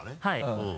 はい。